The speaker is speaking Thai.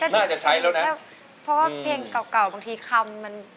น่าจะใช้แล้วนะเพราะว่าเพลงเก่าเก่าบางทีคำมัน